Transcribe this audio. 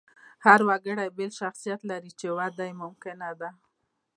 هر وګړی بېل شخصیت لري، چې وده یې ممکنه ده.